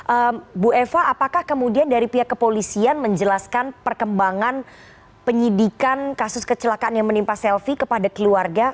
ibu eva apakah kemudian dari pihak kepolisian menjelaskan perkembangan penyidikan kasus kecelakaan yang menimpa selvi kepada keluarga